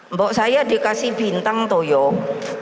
mbak saya dikasih bintang tuh yuk